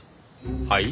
はい？